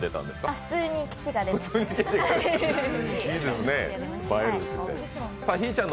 普通に吉が出ました。